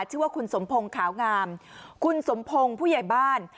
ชื่อว่าคุณสมพงศ์ขาวงามคุณสมพงศ์ผู้ใหญ่บ้าน